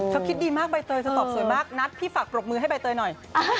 คิดดีมากใบเตยจะตอบสวยมากนัดพี่ฝากปรบมือให้ใบเตยหน่อย